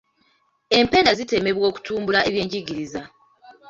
Empenda zitemebwa okutumbula ebyenjigiriza.